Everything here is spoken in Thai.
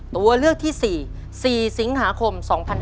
ตัวเลือกที่๔๔สิงหาคม๒๕๕๙